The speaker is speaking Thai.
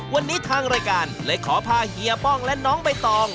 วันนี้ทางรายการเลยขอพาเฮียป้องและน้องใบตอง